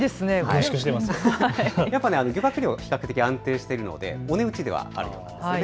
漁獲量、比較的安定しているのでお値打ちではあるようです。